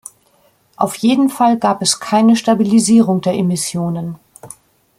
Auf jeden Fall gab es keine Stabilisierung der Emissionen.